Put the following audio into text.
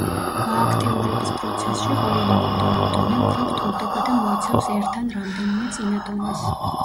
გააქტიურების პროცესში, ყოველი მომდევნო დონე უფრო რთულდება და მოიცავს ერთ ან რამდენიმე წინა დონეს.